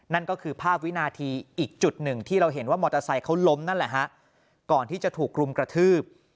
นั่นก็คือภาพวินาทีอีกจุดหนึ่งที่เราเห็นว่ามอเตอร์ไซค์เขาล้มนั่นแหละฮะก่อนที่จะถูกรุมกระทืบ